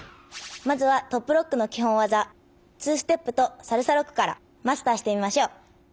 まずはトップロックのきほんわざ２ステップとサルサロックからマスターしてみましょう！